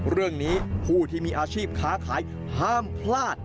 เรื่องนี้ผู้ที่มีอาชีพค้าขายห้ามพลาด